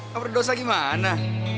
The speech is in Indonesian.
ga berdosa gimana